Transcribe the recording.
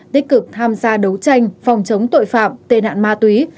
đích cực tham gia đấu tranh phòng chống tội phạm tên hạn ma túy